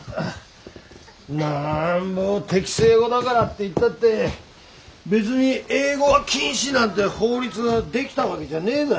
なんぼ敵性語だからっていったって別に英語は禁止なんて法律が出来た訳じゃねえだ。